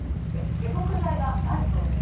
解毒剤がないそうです。